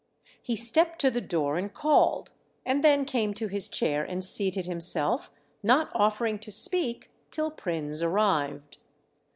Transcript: He stepped to the door and called, and then came to his chair and seated himself, not offering to speak till Prins arrived.